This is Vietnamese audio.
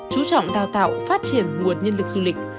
chú trọng đào tạo phát triển nguồn nhân lực du lịch